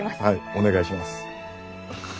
はいお願いします。